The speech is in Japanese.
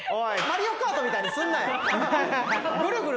『マリオカート』みたいにするなよ！